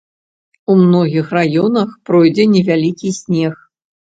У многіх раёнах пройдзе невялікі снег.